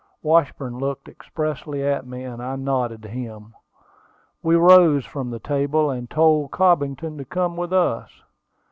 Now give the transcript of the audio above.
Washburn looked expressively at me, and I nodded to him. We rose from the table, and told Cobbington to come with us.